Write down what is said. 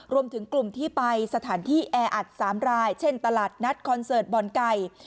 รวมถึงกลุ่มที่ไปสถานที่แออัด๓รายเช่นตลาดนัดคอนเสิร์ตบ่อนไก่